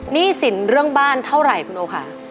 หนี้สินเรื่องบ้านเท่าไหร่คุณโอค่ะ